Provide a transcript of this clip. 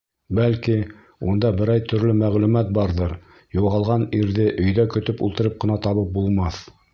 Бәлки, унда берәй төрлө мәғлүмәт барҙыр, юғалған ирҙе өйҙә көтөп ултырып ҡына табып булмаҫ.